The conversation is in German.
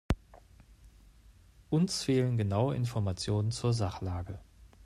Uns fehlen genaue Informationen zur Sachlage.